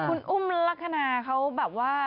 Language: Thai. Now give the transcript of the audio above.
คุณอุ้มลักษณะเขาแบบว่า